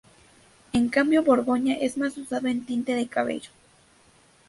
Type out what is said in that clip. En cambio borgoña es más usado en tinte de cabello.